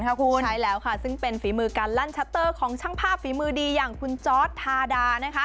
ใช่แล้วค่ะซึ่งเป็นฝีมือการลั่นชัตเตอร์ของช่างภาพฝีมือดีอย่างคุณจอร์ดทาดา